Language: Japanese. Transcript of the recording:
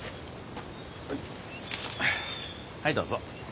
はいどうぞ。